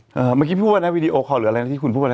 เมื่อกี้พูดว่านะวีดีโอคอลหรืออะไรนะที่คุณพูดมานะ